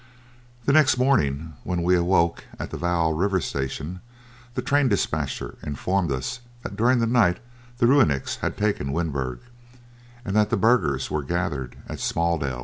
The next morning when we awoke at the Vaal River Station the train despatcher informed us that during the night the "Rooineks" had taken Winburg, and that the burghers were gathered at Smaaldel.